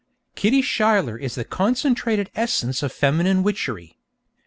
Kitty Schuyler is the concentrated essence of feminine witchery.